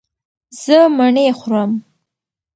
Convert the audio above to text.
زه مڼې خورم